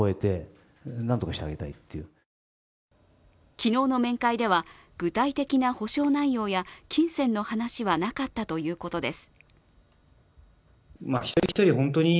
昨日の面会では、具体的な補償内容や金銭の話はなかったということです。